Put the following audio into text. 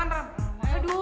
aduh rama konsentrasi dong